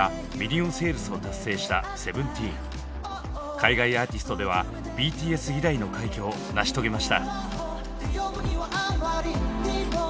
海外アーティストではＢＴＳ以来の快挙を成し遂げました。